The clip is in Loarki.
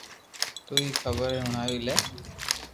تو ھي خبر ھي ھڻاوي لي